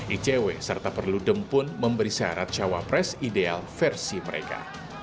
icw serta perludem pun memberi syarat cawapres ideal versi mereka